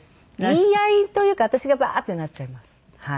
言い合いというか私がバーッてなっちゃいます。